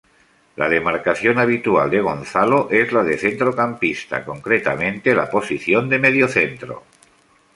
La demarcación habitual de Gonzalo es la de centrocampista, concretamente la posición de mediocentro.